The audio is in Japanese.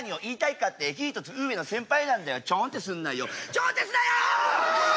ちょんってすなよ！